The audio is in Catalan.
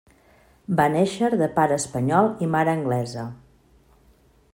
Va néixer de pare espanyol i mare anglesa.